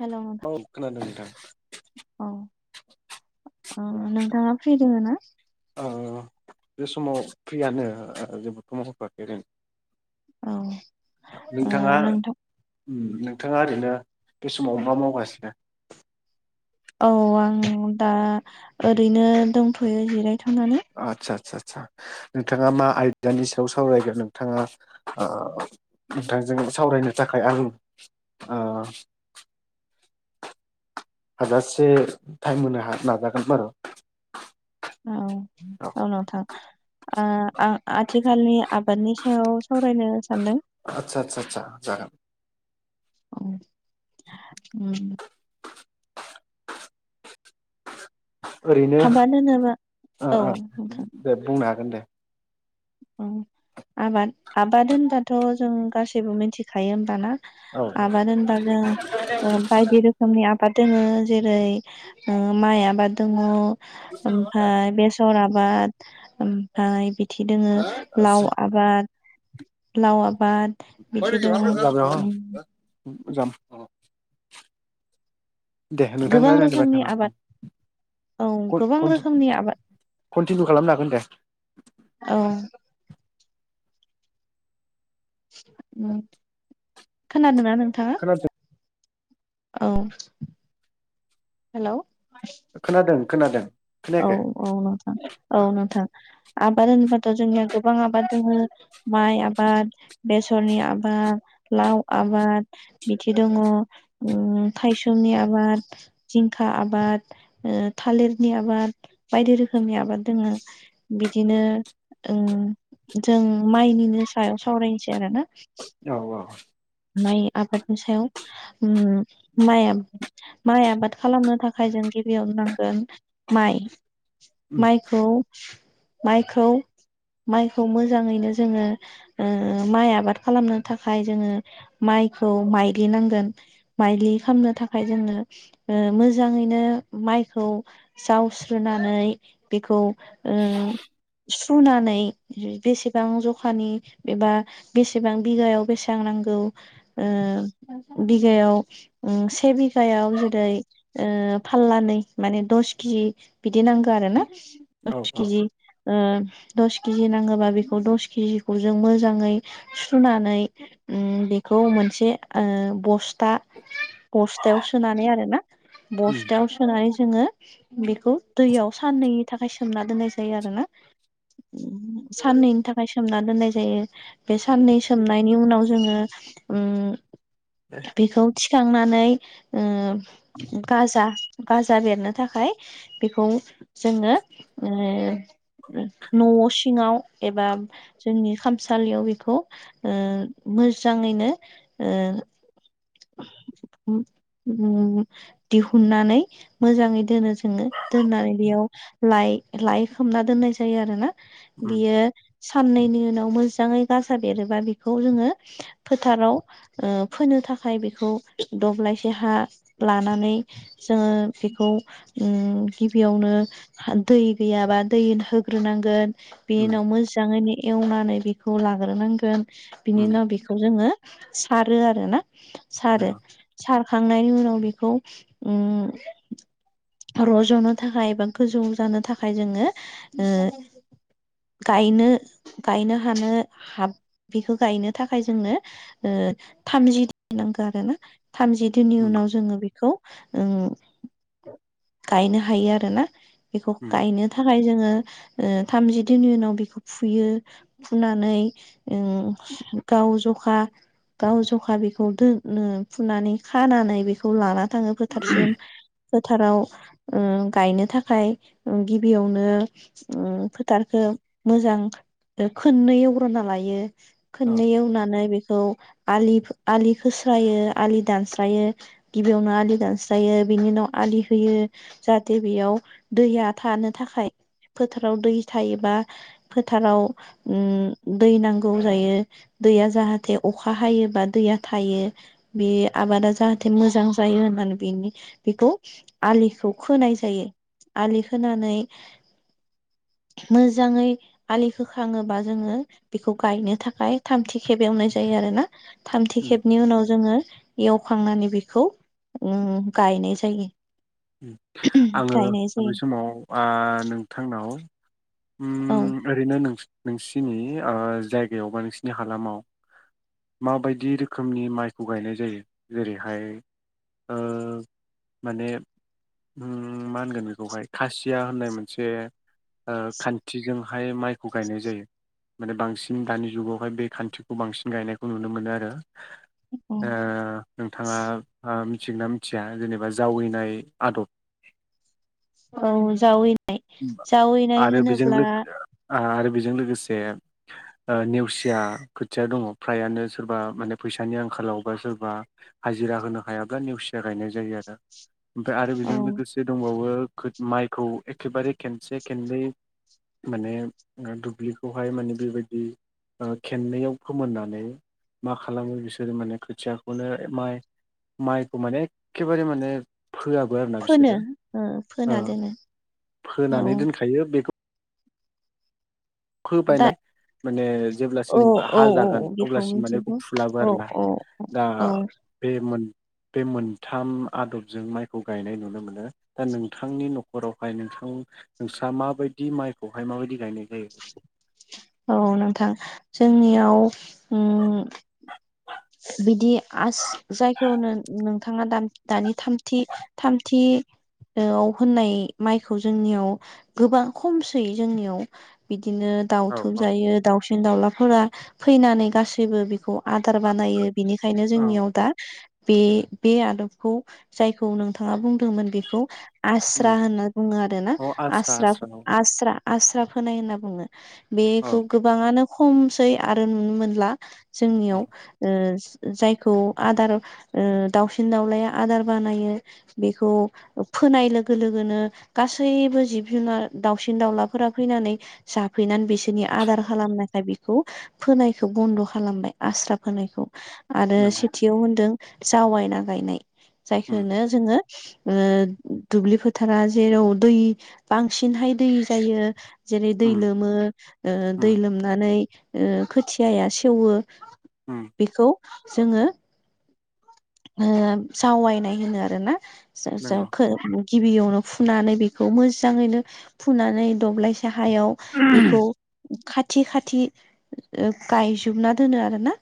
Hello नोंथां औ खोनादों नोंथां। औ ओ नोंथाङा फ्रि दोङो ना? ओ बे समाव फ्रियानो ओ जेबोथ मावथवाखैनो औ ओ नोंथां नोंथाङा ओरैनो बे समाव मा मावगासिनो औ आं दा ओरैनो दंथयो जिराय आतसा आतसा सा नोंथाङा मा आयदानि सायाव सावरायगोन नोंथाङा ओ नोंथांजों सावरायनो थाखाय आं ओ हाजासे टाइम होनो नाजागोन बारु औ औ नोंथां आंङो आं आथिखालनि आबादनि सायाव सावरायनो सानदों आदसा आदसा आदसा जागोन औ उम ओरैनो आबाद होनोबा ओ औ ओ दे बुंनो हागोन दे उम आबाद आबाद होनबाथ जों गासैबो मिथिखायो होमबा ना? औ आबाद होमबा जों ओ बायदि रोखोमनि आब आबाद दोङ जेरै माइ आबाद दोङ ओमफ्राय बेसर आब आबाद ओमफ्राय बिथि दोङो लाउ आबाद लाउ आबा आबाद बिथि दोङो। मोजां दङो दे गोबां नोंथाङालाय रोखोमनि आबाद औ कन गोबां कन्टि रोखोमनि आबाद कन्टिनिउ खालामनो हागोन दे औ। खोनादोंमोना नोंथाङा? खोनादों औ हेलौ खोनादों खोनादों। औ खोनायाखै औ नोंथां औ नोंथां। आबाद होनोबाथ' जोंनिया गोबां आबाद दोङो माइ आबाद बेसरनि आबाद लाउ आबाद बिथि दङो ओ थायसुमनि आबाद जिंखा आबाद थालिरनि आबाद आबाद बायदि रोखोमनि आबाद दोङो बिदिनो ओ जों माइनिनो सायाव सावरायनोसै आरो ना? औ औ। माइ आबादनि सायाव माइ माइ आबाद खालामनो थाखाय जों गिबियावनो नांगोन माइ उम माइखौ माइखौ माइखौ मोजाङैनो जोङो ओ माइ आबाद खालामनो थाखाय जोङो माइखौ माइलि नांगोन माइलि खालामनो थाखाय जोङो ओ मोजाङै बिदिनो माइखौ जावस्रोनानै बेखौ ओ सुनानै बेसेबां जखानि एबा बेसेबां बिगायाव बेसां नांगौ ओ बिघायाव से बिघायाव जेरै ओ फाल्ला नै माने दस केजि बिदि नांगो आरो ना। औ औ केजि ओ दस केजि नांगोबा बेखौ दस केजिखौ जों मोजाङै सुनानै उम बेखौ मोनसे ओ बस्था बस्थायाव सोनानै आरो ना उम बस्थायाव सोनानै जोङो बेखौ दैयाव साननैनि थाखाय सोमना दोननाय जायो आरो ना। साननैनि थाखाय सोमना दोननाय जायो। बे साननै सोमनायनि उनाव जोङो उम बेखौ थिखांनानै ओ गाजा गाजा बेरनो थाखाय बेखौ जोङो ओ न' सिङाव एबा जोंनि खामसालियाव बेखौ ओ मोजाङैनो ओ उम [inaudible] दिहुननानै मोजाङै दोनो जोङो दोननानै बेयाव लाइ लाइ खोबना दोननाय जायो आरो ना। उम बियो साननैनि उनाव मोजाङै गाजा बेरोबा बेखौ जोङो फोथाराव ओ फोनो थाखाय बेखौ दब्लायसे हा लानानै जोङो बेखौ उम गिबियावनो दै गैयाबा दै होग्रोनांगोन बिनि उम उनाव मोजाङैनो एवनानै बेखौ लाग्रोनांगोन बिनि उम उनाव बेखौ जोङो सारो आरोना सारो औ सार- खांनायनि उनाव बेखौ उम रज'नो थाखाय एबा गोजौ जानो थाखाय जोङो ओ गायनो गायनो हानो हा बेखौ गायनो थाखाय जोंनो थामजिन नांगौ आरो ना। थामजि दिननि उम उनाव जोङो बेखौ उम गायनो हायो आरो ना। बेखौ उम गायनो थाखाय जोङो थामजि दिननि उनाव बेखौ फुयो फुनानै ओ गाव जखा गाव जखा बेखौ दोनो फुनानै खानानै बेखौ लानानानै थाङो बोथारसिम। फोथाराव गायनो थाखाय गिबियावनो फोथारखौ मोजां खननै एवग्रोना लायो औ खननै एवनानै बेखौ आलि आलि खोस्रायो आलि दानस्रायो गिबियावनो आलि दानस्रायो बिनि उनाव फालिहोयो जाहाथे बेयाव दैया थानो थाखाय फोथाराव दै थायोबा फोथाराव उम दै नांगौ जायो। दैया जाहाथे अखा हायोबा दैया थायो बे आबादा जाहाथे मोजां जायो। यो होननानै बेनि बेखौ आलिखौ खोनाय जायो। आलि खोनानै मोजाङै आलि होखाङोबा जोङो बेखौ गायनो थाखाय थामथि खेब एवनाय जायो आरोना थामथि उम खेबनि उनाव जोङो एवखांनानै बेखौ गायनाय जायो। आङो गायनाय जायो बै समाव नोंथांनाव औ उम ओरैनो नोंसिनि जायगायाव बा नोंसिनि हालामाव माबायदि रोखोमनि माइखौ गायनाय जायो जेरैहाय ओ माने उम मा होनगोन बेखौहाय खासिया होननाय मोनसे ओ खान्थिजोंहाय माइखौ गायनाय जायो। माने बांसिन दानि जुगावहाय बे खान्थिखौ बांसिन गायनायखौ नुनो मोनो आरो। औ ओ नोंथाङा मिथिगोन नना मिथिया जेनेबा जावैनाय आदब औ जावैनाय जावैनाय आरो बेजों होनोब्ला लो आरो बेजों लोगोसे ओ नेवसिया खोथिया दङ फ्रायानो सोरबा माने फैसानि आंखालाव बा सोरबा हाजिरा होनो हायाब्ला नेवसिया गायनाय जायो आरो ओमफ्राय आरो औ बेजों लोगोसे दंबावो माइखौ एखेबारे खनसे खननै माने दुब्लिखौहाय माने बेबायदि खेननैयाव फोमोननानै मा खालामो बिसोरो माने खोथियाखौनो माइ- माइखौ माने एखेबारे माने फोआबो आरोना फोनो बिसोरो ओ फोना दोनो औ फोनानै दोनखायो बेखौ- दा [unintelligible] माने औ जेब्लासिम औ हा औ जागोन बेखौ अब्लासिम माने बेखौ मिथिगौ फुलाबो औ आरोना औ दा औ बेमोन बे मोनथाम आदबजों माइखौ गायनाय नुनो मोनो दा नोंथांनि न'खरावहाय नोंथां- नोंस्रा माबायदि माइखौहाय माबायदि गायनाय जायो। औ नोंथां जोंनियाव बिदि आ जायखौ नोंथाङा दा दानि थामथि होननाय माइखौ जोंनियाव गोबां खमसै जोंनियाव बि- दिनो औ दाउथुब औ जायो दाउसिन दाउलाफोरा फैनानै गासैबो बेखौ आदार बानायो बिनिखायनो औ जोंनियाव दा बे बे आदबखौ जायखौ नोंथाङा बुंदोंमोन बेखौ उम आस्रा होनना बुङो आरो ना अ आस्रा औ आस्रा फोनाय होनना बुङो औ बेखौ गोबाङानो खमसै आरो नुनो मोनला औ जोंनियाव ओ जायखौ आदार दाउसिन दाउलाया आदार बानायो बेखौ फोनाय लोगो लोगोनो गासैबो जिब जुनार दाउसिन दाउलाफोरा फैनानै जाफैनानै बिसोरनि आदार खालामनायखाय बेखौ फोनायखौ बन्द' खालामबाय आस्रा- फोनायखौ आरो नंगौ सेथियाव होनदों जावायना गायनाय जायखो उम होनो जोङो दुब्लि फोथारा जेराव दै बांसिनहाय दै जायो। जेरै दै उम लोमो उम दै लोमनानै खोथियाया सेवो उम बेखौ जोङो ओ जावायनाय होनो आरो ना नंगौ [unintelligible] गिबियावनो फुनानै बेखौ मोजाङैनो फुनानै दब्लाय से हायाव बेखौ खाथि खाथि गायजोबना दोनो आरो ना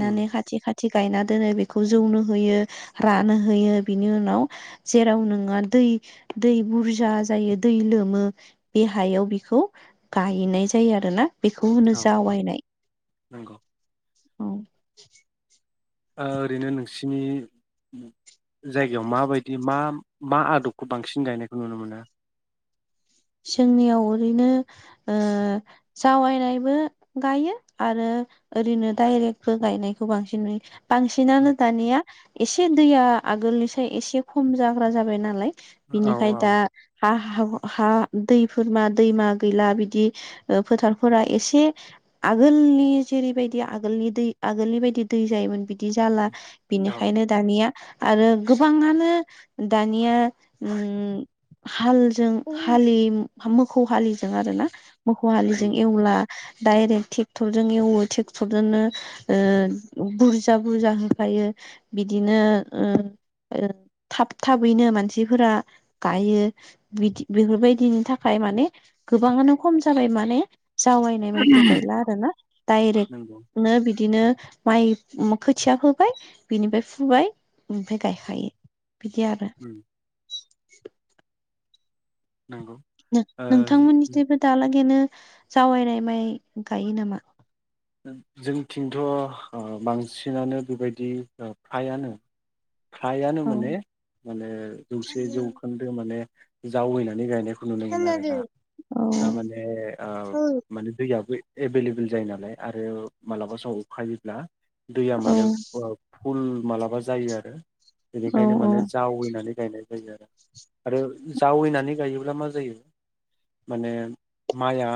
उम खाथि खाथि थि गायना दोनो बे खौ जौनो होयो रानो होयो बिनि उनाव जेराव नोङो दै दै बुरजा जायो दै लोमो बे हायाव बेखौ गायनाय जायो आरोना बेखौ होनो औ औ जावायनाय नंगौ औ ओरैनो नोंसिनि जायगायाव माबायदि मा मा आदबखौ बांसिन गायनायखौ नुनो मोनो जोंनियाव ओरैनो जावायनायबो गायो आरो ओरैनो दडाइरेक्बो गायनायखौ बांसिन नुङो बांसिनानो दानिया एसे दैया आगोलनिसाय एसे खम जाग्रा जाबाय नालाय औ बिनिखाय दा हा हा दैफोरमा दैमा गैला बिदि फोथारफोरा एसे आगोलनि जेरैबायदि आगोलनि दै आगोलनि बायदि दै जायोमोन बिदि जाला औ बिनिखायनो दानिया आरो गोबाङानो दानिया हालजों हालि मोसौ हालिजों आरो ना मोसौ उम हालिजों एवला डायरेक्ट टेक्टरजों एवो टेक्टरजोंनो बुरजा बुरजा होफायो यो बिदिनो ओ थाब थाबैनो मानसिफोरा गायो बिदि बेफोरबायदिनि थाखाय माने गोबाङानो खम जाबाय माने जावायनाय माइखौ गायला आरोना नंगौ डाइरेक्टनो बिदिनो माइ खोथिया फोबाय बिनिफ्राय फुबाय बेनिफ्राय गायखायो बिदि आरो उम नंगौ ओ नोंथांमोननिफ्रायबो दालागैनो जावैनाय माइ गायो नामा जोंथिंथ' बांसिनानो बेबायदि फ्रायानो हायानो औ माने माने जौसे जौखोन्दो माने जावैनानै गायनायखौ खुनु न औ मोनो आरोना दा माने माने दैयाबो एभेलेबल जायो नालाय आरो मालाबा समाव अखा हायोब्ला दैया औ माने फुल मालाबा जायो आरो औ बेनिखायनो औ माने जावैनानै गायनाय जायो आरो आरो जावैनानै गायोब्ला मा जायो माने माइया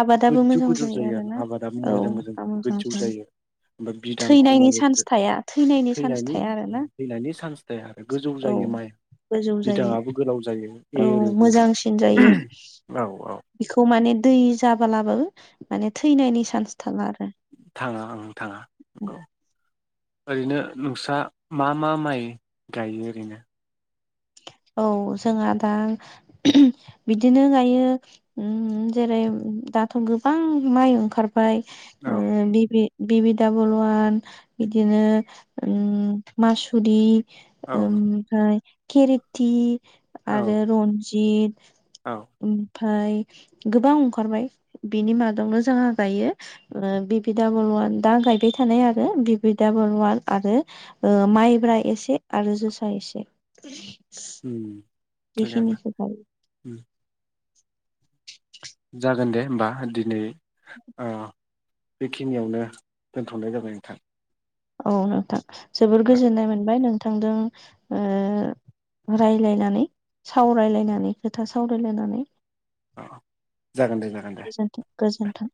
आबादाबो गोजौ मोजां गोजौ जायो आरो आरोना आबादा मोजां मोजां ज गोजौ जायो बिदांखौ थैनायनि मानि चान्स थाया चान्स थैनायनि थाया आरोना थैनायनि चान्स थाया आरो गोजौ औ जायो माइ गोजौ बिदां जायो आबो गोलाव जायो औ एरोबो मोजांसिन जायो औ बेखौ माने दै जाबोलाबाबो माने थैनायनि सान्स थाङा आरो थाङा आं थाङा नंगौ ओरैनो नोंस्रा मा मा माइ गायो ओरैनो औ जोंहा दा बिदिनो गायो जेरै दाथ गोबां माइ ओंखारबाय औ ओ बिबि बिबि डाबल वान बिदिनो उम मासुरि औ उम मफाय खेरेथि औ आरो रन्जित औ उम ओमफाय गोबां ओंखारबाय बिनि मादावनो जोंहा गायो बिबिडाबल दा गायबाय थानाय आरो बिबि आरो ओ माइब्रा एसे आरो जो सा एसे ओम बेखिनि खौ गायो जागोन दे होमबा दिनै ओ बेखिनियावनो दोनथनाय जाबाय नोंथां औ नोंथां जोबोर गोजोननाय मोनबाय नोंथांजों ओ रायलायनानै सावरायलायनानै खोथा सावरायलायनानै औ जागोन दे जागोन दे गोजोन्थों